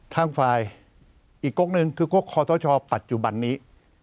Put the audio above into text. ทางฝ่ายอีกกรกษ์หนึ่งคือกรกษ์คอเต้าชอบปัจจุบันนี้